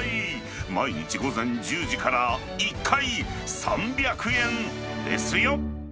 毎日午前１０時から１回３００円ですよ。